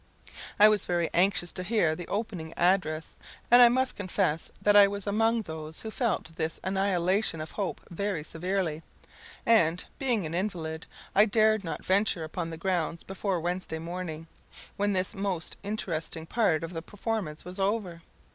I was very anxious to hear the opening address, and I must confess that I was among those who felt this annihilation of hope very severely; and, being an invalid, I dared not venture upon the grounds before Wednesday morning, when this most interesting part of the performance was over.